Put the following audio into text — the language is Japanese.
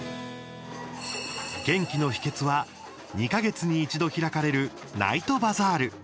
元気の秘けつは２か月に一度開かれるナイトバザール。